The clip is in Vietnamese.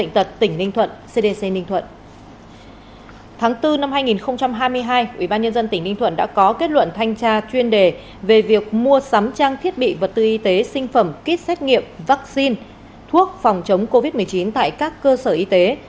tháng bốn năm hai nghìn hai mươi hai ubnd tỉnh ninh thuận đã có kết luận thanh tra chuyên đề về việc mua sắm trang thiết bị vật tư y tế sinh phẩm kit xét nghiệm vaccine thuốc phòng chống covid một mươi chín tại các cơ sở y tế